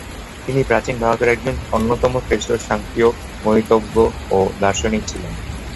তিনি প্রাচীন ভারতের একজন অন্যতম শ্রেষ্ঠ সাংখ্যিয় গণিতজ্ঞ ও দার্শনিক ছিলেন।